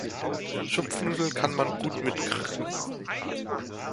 Schupfnudeln kann man gut mit Gr